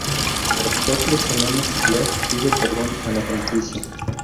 Tras cuatros semanas Leaf pide perdón a la franquicia.